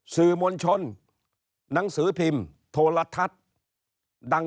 สื่อมวลชนหนังสือพิมพ์โทรทัศน์ดัง